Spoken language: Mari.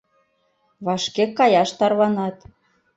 — Вашке каяш тарванат...